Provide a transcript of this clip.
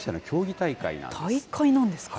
大会なんですか。